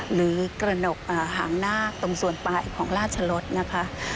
หรือกระหนกหางนาคตรงส่วนปลายของราชรสนะคะ